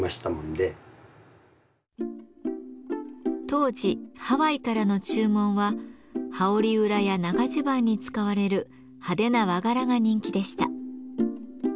当時ハワイからの注文は羽織裏や長じゅばんに使われる派手な和柄が人気でした。